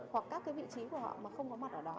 hoặc các cái vị trí của họ mà không có mặt ở đó